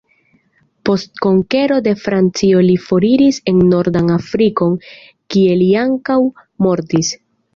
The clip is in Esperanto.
Post konkero de Francio li foriris en nordan Afrikon, kie li ankaŭ mortis.